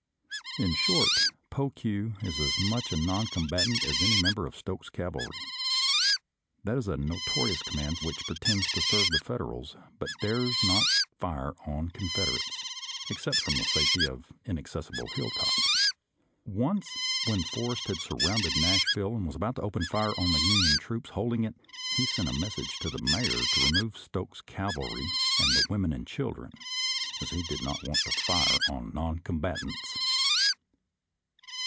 In short, Pokue is as much a noncombat ant as any member of Stokes's cavalry. That is a notorious command which pretends to serve the Federals, but dares not fire on Confederates, except from the safety of inaccessible hilltops. Once, when Forrest had surrounded Nashville and was about to open fire on the Union troops holding it, he sent a message to the mayor to remove Stokes's cavalry and the women and children, as he did not want to fire on noncom batants.